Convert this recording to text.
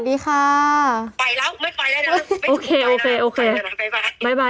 เธออะไรอ่ะ